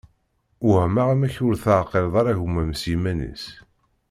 Wehmeɣ amek ur teεqileḍ gma-m s yiman-is.